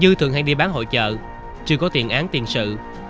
dư thường hay đi bán hội chợ trừ có tiền án tiền sự